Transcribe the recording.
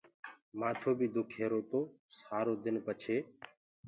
مآٿو بيٚ دُک ريهرو تو سآرو دن پڇي